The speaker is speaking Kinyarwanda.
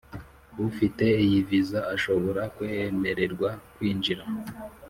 Ufite iyi viza ashobora kwemererwa kwinjira